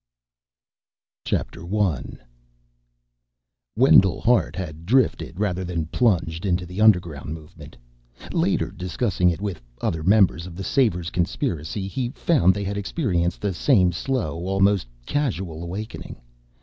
I Wendell Hart had drifted, rather than plunged, into the underground movement. Later, discussing it with other members of the Savers' Conspiracy, he found they had experienced the same slow, almost casual awakening.